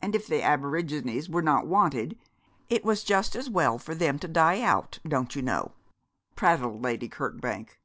And if the aborigines were not wanted it was just as well for them to die out, don't you know,' prattled Lady Kirkbank.